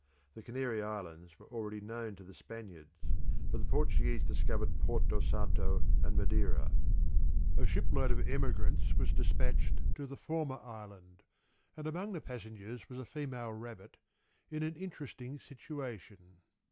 The Canary Islands were already known to the Spaniards: but the Portuguese discovered Porto Santo and Madeira. A shipload of emigrants was despatched to the former island, and among the passengers was a female rabbit in an interesting situation.